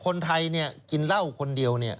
คนไทยเนี่ยกินเหล้าคนเดียวเนี่ย